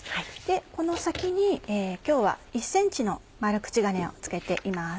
この先に今日は１ｃｍの丸口金を付けています。